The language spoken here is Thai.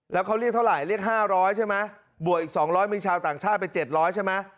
แล้วเขาเรียกเท่าไรเรียกห้าร้อยใช่ไหมบวกอีกสองร้อยมีชาวต่างชาติไปเจ็ดร้อยใช่ไหม